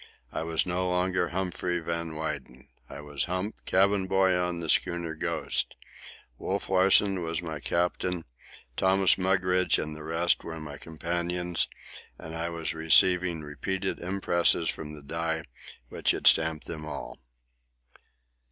I was no longer Humphrey Van Weyden. I was Hump, cabin boy on the schooner Ghost. Wolf Larsen was my captain, Thomas Mugridge and the rest were my companions, and I was receiving repeated impresses from the die which had stamped them all.